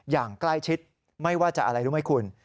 อย่างใกล้ชิดไม่ว่าจะอะไรรู้ไหมคุณ